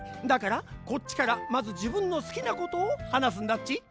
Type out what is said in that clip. だからこっちからまずじぶんのすきなことをはなすんだっち！